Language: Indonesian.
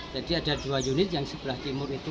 jadi ada dua unit yang sebelah timur itu